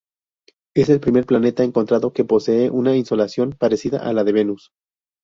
Es el primer planeta encontrado que posee una insolación parecida a la de Venus.